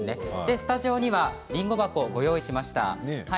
スタジオにはりんご箱をご用意しました。